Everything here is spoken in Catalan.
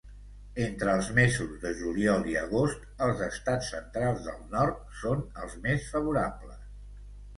Entres els mesos de juliol i agost, els estats centrals del nord són els més favorables.